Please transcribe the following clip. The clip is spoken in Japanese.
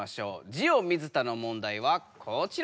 ジオ水田の問題はこちら！